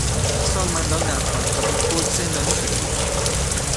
سالمندان در خانههای خود زندانی شده بودند.